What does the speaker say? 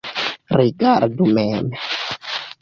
Rigardu mem.